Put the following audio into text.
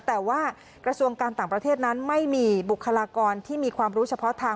แต่ว่ากระทรวงการต่างประเทศนั้นไม่มีบุคลากรที่มีความรู้เฉพาะทาง